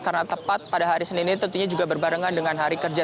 karena tepat pada hari senin ini tentunya juga berbarengan dengan hari kerja